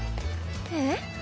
えっ？